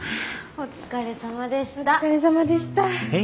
お疲れさまでした。